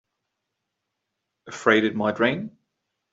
Afraid it might rain?